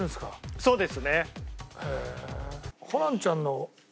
そうです。